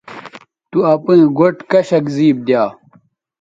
تو اپئیں گوٹھ کشک زیب دیا